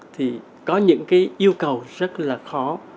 thì có những yêu cầu rất là khó